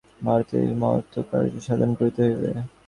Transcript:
ভারতে এই মহৎকার্য সাধন করিতে হইবে।